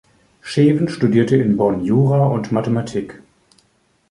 Scheven studierte in Bonn Jura und Mathematik.